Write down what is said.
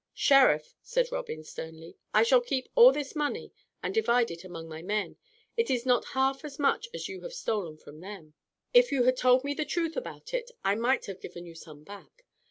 "Sheriff," said Robin sternly, "I shall keep all this money and divide it among my men. It is not half as much as you have stolen from them. If you had told me the truth about it, I might have given you some back.